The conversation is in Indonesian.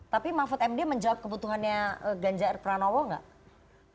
tapi mahfud md menjawab kebutuhannya ganjar pranowo nggak